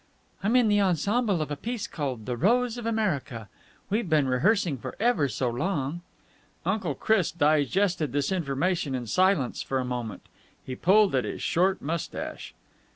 "I'm in the ensemble of a piece called 'The Rose of America.' We've been rehearsing for ever so long." Uncle Chris digested this information in silence for a moment He pulled at his short moustache.